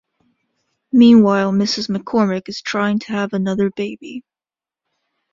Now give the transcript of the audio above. Meanwhile, Mrs. McCormick is trying to have another baby.